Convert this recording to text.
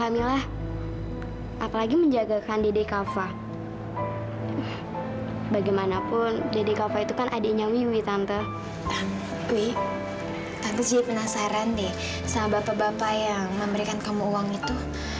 wi tante jadi penasaran deh sama bapak bapak yang memberikan kamu uang itu